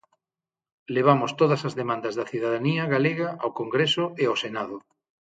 Levamos todas as demandas da cidadanía galega ao Congreso e ao Senado.